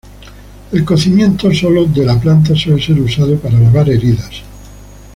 El cocimiento solo de la planta, suele ser usado para lavar heridas.